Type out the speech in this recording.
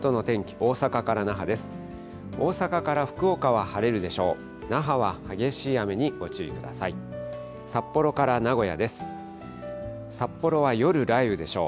大阪から福岡は晴れるでしょう。